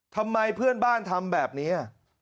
ทำไมเพื่อนบ้านทำแบบนี้